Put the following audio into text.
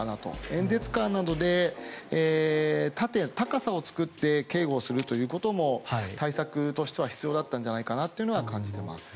演説カーなどで高さを作って警護をするということも対策としては必要だったんじゃないかと感じています。